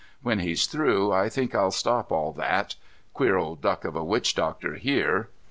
When he's through, I think I'll stop all that. Queer old duck of a witch doctor here."